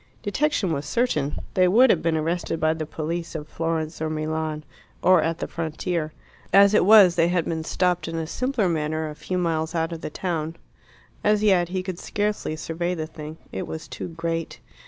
Detection was certain: they would have been arrested by the police of Florence or Milan, or at the frontier. As it was, they had been stopped in a simpler manner a few miles out of the town. As yet he could scarcely survey the thing. It was too great.